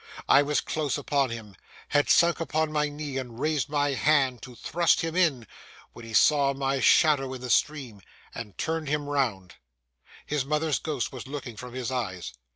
I was close upon him, had sunk upon my knee and raised my hand to thrust him in, when he saw my shadow in the stream and turned him round. His mother's ghost was looking from his eyes.